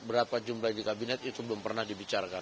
berapa jumlah di kabinet itu belum pernah dibicarakan